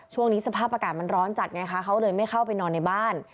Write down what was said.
ช่วงนี้สภาพอากาศมันร้อนจัดไงคะเขาเลยไม่เข้าไปนอนในบ้าน